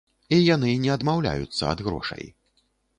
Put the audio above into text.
І яны не адмаўляюцца ад грошай.